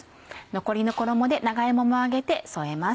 残りの衣で長芋も揚げて添えます。